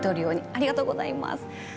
ありがとうございます。